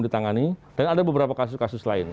dan ada beberapa kasus kasus lain